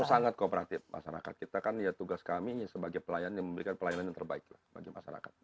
oh sangat kooperatif masyarakat kita kan ya tugas kami sebagai pelayan yang memberikan pelayanan yang terbaik lah bagi masyarakat